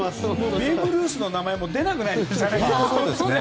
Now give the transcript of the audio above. ベーブ・ルースの名前も出なくなりましたね。